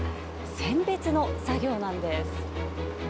選別の作業なんです。